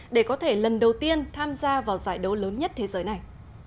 để có thể lần đầu tiên tham gia vào giải đấu lớn nhất thế giới này